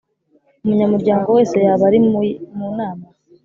Umunyamurango wese yaba ari mu nama‽